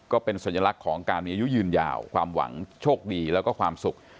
ก็เป็นสัญลักษณ์ของการมีอายุยืนยาวความหวังโชคดีแล้วก็ความสุข